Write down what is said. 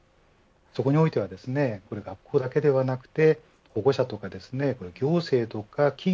そこにおいては学校だけではなくて保護者とか行政とか企業